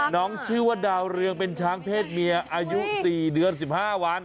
น้องชื่อว่าดาวเรืองเป็นช้างเพศเมียอายุ๔เดือน๑๕วัน